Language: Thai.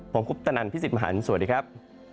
ผมคุปตนันพี่สิทธิ์มหันฯสวัสดีครับ